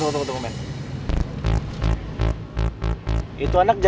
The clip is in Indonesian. tapi diselenggara dia enggak bisa